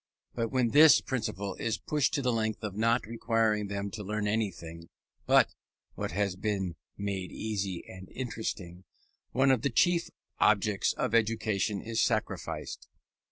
But when this principle is pushed to the length of not requiring them to learn anything but what has been made easy and interesting, one of the chief objects of education is sacrificed.